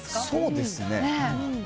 そうですね。